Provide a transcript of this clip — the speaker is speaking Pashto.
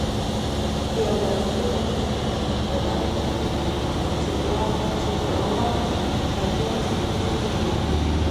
په یوې دروازې ور ننوتلم، په ډبه کې مې پر چوپړوال ملګري سترګې ولګېدې.